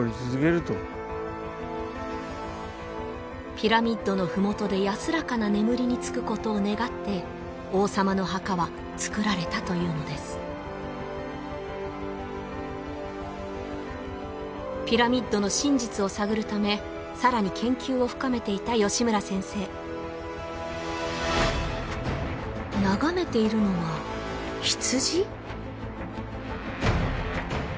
ピラミッドの麓で安らかな眠りにつくことを願って王様の墓はつくられたというのですピラミッドの真実を探るためさらに研究を深めていた吉村先生眺めているのは羊？